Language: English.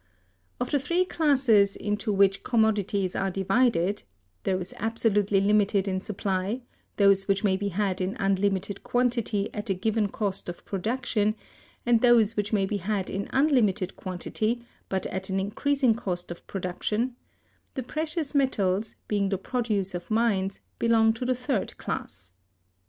Of the three classes into which commodities are divided—those absolutely limited in supply, those which may be had in unlimited quantity at a given cost of production, and those which may be had in unlimited quantity, but at an increasing cost of production—the precious metals, being the produce of mines, belong to the third class.